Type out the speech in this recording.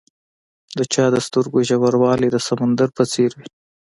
د چا د سترګو ژوروالی د سمندر په څېر وي.